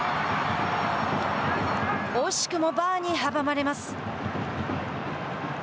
惜しくもバーに阻まれます。